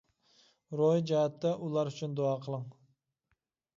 روھىي جەھەتتە، ئۇلار ئۈچۈن دۇئا قىلىڭ.